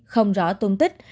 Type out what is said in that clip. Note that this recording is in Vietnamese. không rõ tôn tích